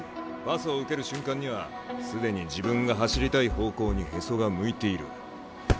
パスを受ける瞬間には既に自分が走りたい方向にへそが向いている。